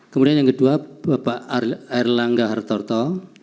kemudian yang kedua bapak erlang gahartarto